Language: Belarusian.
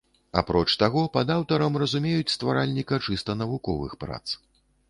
Апроч гэтага, пад аўтарам разумеюць стваральніка чыста навуковых прац.